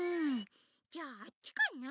・じゃああっちかな？